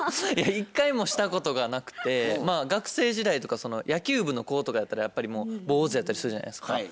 一回もしたことがなくて学生時代とか野球部の子とかやったらやっぱりもう坊主やったりするじゃないですか。